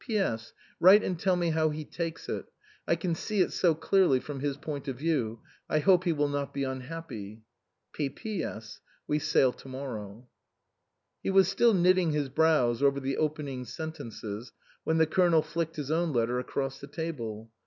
"P.S. Write and tell me how he takes it. I can see it so clearly ! from his point of view. I hope he will not be unhappy. " P.P.S. We sail to morrow." He was still knitting his brows over the open ing sentences, when the Colonel flicked his own letter across the table.